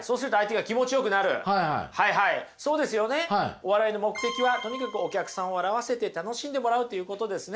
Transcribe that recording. お笑いの目的はとにかくお客さんを笑わせて楽しんでもらうということですね。